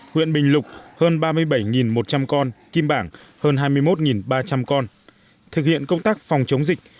huyện bình lục hơn ba mươi bảy một trăm linh con kim bảng hơn hai mươi một ba trăm linh con thực hiện công tác phòng chống dịch